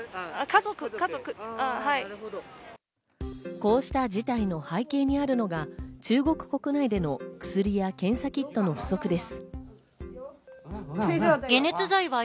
こうした事態の背景にあるのが中国国内での薬や検査キットの不足です。